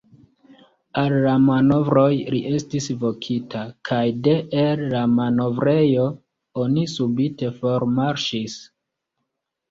Al la manovroj li estis vokita, kaj de el la manovrejo oni subite formarŝis.